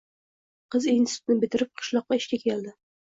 Qiz institutni bitirib, qishloqqa ishga keldi